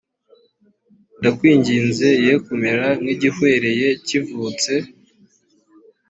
ndakwingize ye kumera nk igihwereye kivutse